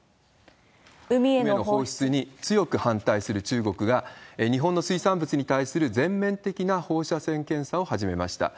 海への放出に強く反対する中国が、日本の水産物に対する全面的な放射線検査を始めました。